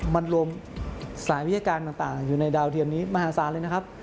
มันรวมสายวิทยาการต่างอยู่ในดาวเทียมนี้มหาศาลเลยนะครับ